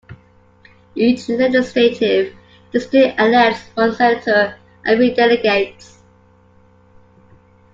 Each legislative district elects one senator and three delegates.